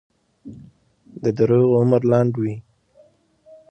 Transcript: د دروغو عمر لنډ وي.